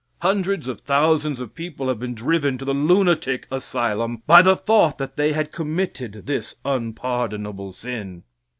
Hundreds of thousands of people have been driven to the lunatic asylum by the thought that they had committed this unpardonable sin.